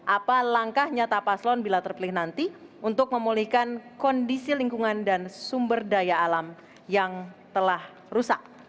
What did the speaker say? apa langkah nyata paslon bila terpilih nanti untuk memulihkan kondisi lingkungan dan sumber daya alam yang telah rusak